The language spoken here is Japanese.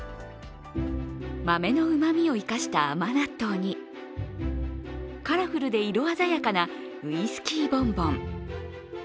豆のうまみを生かした甘納豆にカラフルで色鮮やかなウイスキーボンボン。